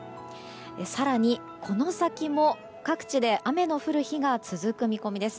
更に、この先も各地で雨の降る日が続く見込みです。